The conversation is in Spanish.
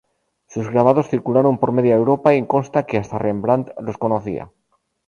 Sus grabados circularon por media Europa y consta que hasta Rembrandt los conocía.